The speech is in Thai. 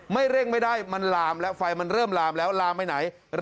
เร่งไม่ได้มันลามแล้วไฟมันเริ่มลามแล้วลามไปไหน